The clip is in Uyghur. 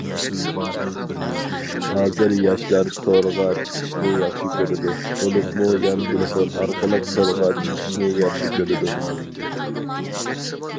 ھازىر ياشلار تورغا چىقىشنى ياخشى كۆرىدۇ، بولۇپمۇ يان تېلېفون ئارقىلىق تورغا چىقىشنى ياخشى كۆرىدۇ.